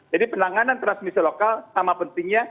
jadi penanganan transmisi lokal sama pentingnya